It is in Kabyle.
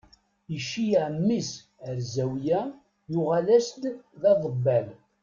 Iceyyeɛ mmi-s ar zawiya, yuɣal-as-d d aḍebbal.